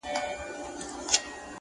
ماشومانو ته به کومي کیسې یوسي!